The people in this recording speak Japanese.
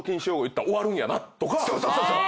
そうそうそうそう！